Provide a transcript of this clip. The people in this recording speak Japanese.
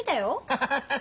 ハハハハ。